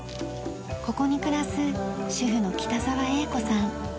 ここに暮らす主婦の北澤栄子さん。